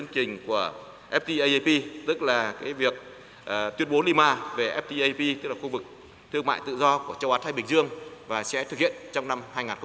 sẽ có thống nhất đưa vào trong cái chương trình của ftaap tức là cái việc tuyên bố lima về ftaap tức là khu vực thương mại tự do của châu á thái bình dương và sẽ thực hiện trong năm hai nghìn một mươi tám